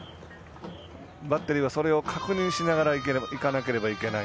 バッテリーはそれを確認しながらいかなければいけない。